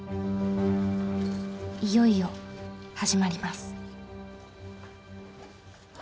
いよいよ始まります。